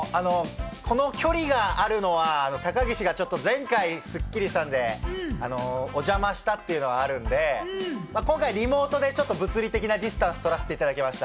この距離があるのは高岸が前回スッキリしたんで、お邪魔したってのがあるんで、リモートで物理的なディスタンスを取らせていただきました。